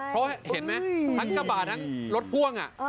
เพราะเห็นไหมทั้งกระบาดทั้งรถพ่วง